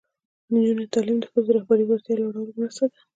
د نجونو تعلیم د ښځو رهبري وړتیا لوړولو مرسته ده.